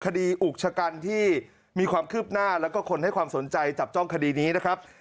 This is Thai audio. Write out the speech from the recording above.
อุกชะกันที่มีความคืบหน้าแล้วก็คนให้ความสนใจจับจ้องคดีนี้นะครับ